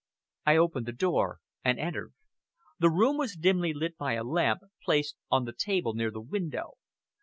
I opened the door and entered. The room was dimly lit by a lamp, placed on the table near the window.